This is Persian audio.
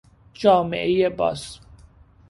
جامعهی باز